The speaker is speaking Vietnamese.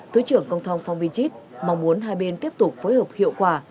thứ trưởng công thong phong vi chít mong muốn hai bên tiếp tục phối hợp hiệu quả